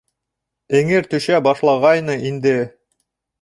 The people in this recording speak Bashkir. Эңер төшә башлағайны инде.